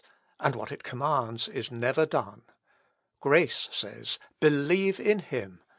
And what it commands is never done. Grace says, Believe in him!